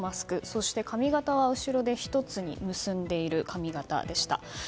そして髪形は後ろで１つに結んでいる髪形でした。